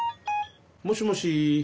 あもしもし。